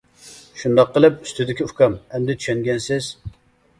شۇنداق قىلىپ، ئۈستىدىكى ئۇكام ئەمدى چۈشەنگەنسىز.